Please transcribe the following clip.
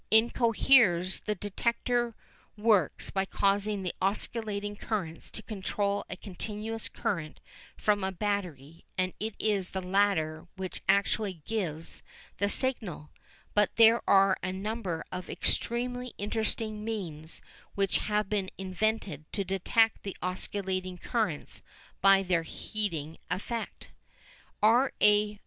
In coherers the detector works by causing the oscillating currents to control a continuous current from a battery and it is the latter which actually gives the signal, but there are a number of extremely interesting means which have been invented to detect the oscillating currents by their heating effect. R. A.